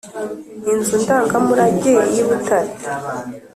Inzu ndangamurage y’ibutare.